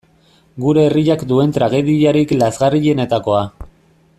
Gure herriak duen tragediarik lazgarrienetakoa.